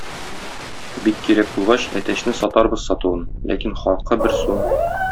Бик кирәк булгач, әтәчне сатарбыз сатуын, ләкин хакы бер сум.